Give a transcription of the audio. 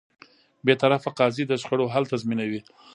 بېطرفه قاضی د شخړو حل تضمینوي.